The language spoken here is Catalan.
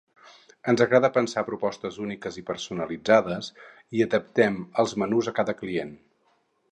Ens agrada pensar propostes úniques i personalitzades, i adaptem els menús a cada client.